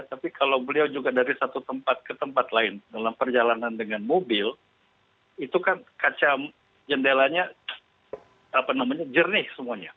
tapi kalau beliau juga dari satu tempat ke tempat lain dalam perjalanan dengan mobil itu kan kaca jendelanya jernih semuanya